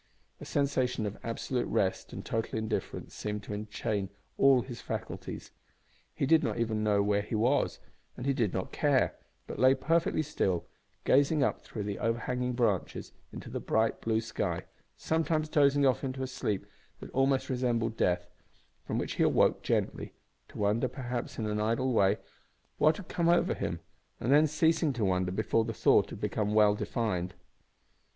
A sensation of absolute rest and total indifference seemed to enchain all his faculties. He did not even know where he was, and did not care, but lay perfectly still, gazing up through the overhanging branches into the bright blue sky, sometimes dozing off into a sleep that almost resembled death, from which he awoke gently, to wonder, perhaps, in an idle way, what had come over him, and then ceasing to wonder before the thought had become well defined.